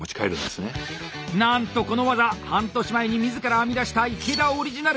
なんとこの技半年前に自ら編み出した池田オリジナル。